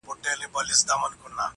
دا د قسمت په حوادثو کي پېیلی وطن-